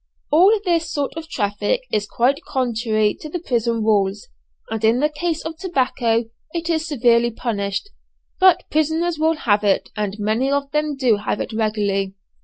All this sort of traffic is quite contrary to the prison rules, and in the case of tobacco it is severely punished, but prisoners will have it, and many of them do have it regularly.